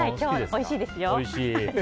おいしいですよ。